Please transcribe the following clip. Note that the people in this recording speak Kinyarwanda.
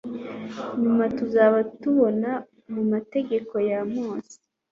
nyuma tuza kubona mu mategeko ya mose